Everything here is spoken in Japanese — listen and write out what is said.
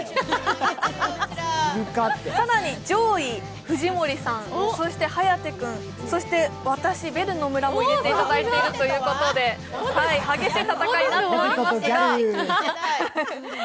更に、上位、藤森君、そして颯君、そして私、ベル野村も入れていただいてるということで、激しい戦いになっておりますが。